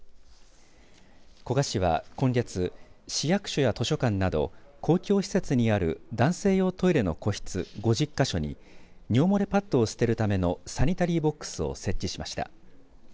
古賀市は今月市役所や図書館など公共施設にある男性用トイレの個室５０か所に尿漏れパッドを捨てるためのサニタリーボックスを設置しました。